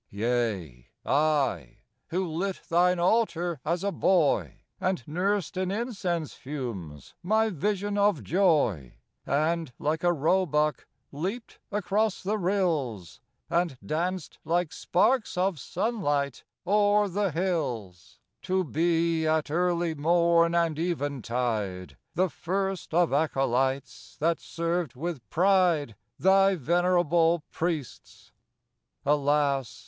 Yea, I, who lit Thine altar, as a boy, And nursed in incense fumes my vision of joy, And like a roebuck leaped across the rills, And danced like sparks of sunlight o'er the hills, To be, at early morn and eventide, The first of acolytes that served with pride Thy venerable priests, alas!